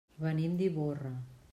Venim d'Ivorra.